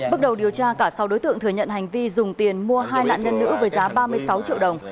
bước đầu điều tra cả sáu đối tượng thừa nhận hành vi dùng tiền mua hai nạn nhân nữ với giá ba mươi sáu triệu đồng